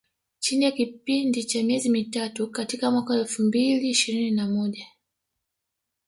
Chini ya kipindi cha miezi mitatu katika mwaka wa elfu mbili ishirini na moja